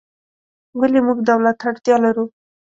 ولې موږ دولت ته اړتیا لرو؟